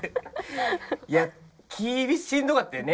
いやきびしんどかったよね。